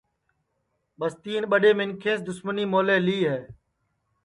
ٻستِین ٻڈؔے منکھینٚس دُسمنی مولے لی ہے